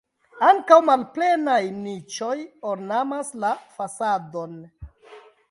Ankaŭ malplenaj niĉoj ornamas la fasadon.